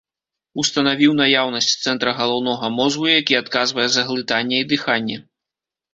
Устанавіў наяўнасць цэнтра галаўнога мозгу, які адказвае за глытанне і дыханне.